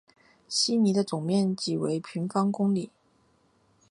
希尼的总面积为平方公里。